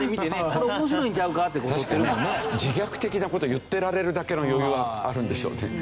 自虐的な事言ってられるだけの余裕はあるんでしょうね。